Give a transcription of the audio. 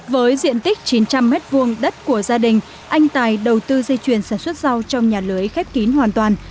với diện tích chín trăm linh m hai đất của gia đình anh tài đầu tư dây chuyền sản xuất rau trong nhà lưới khép kín hoàn toàn